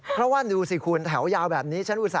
เพราะว่าดูสิคุณแถวยาวแบบนี้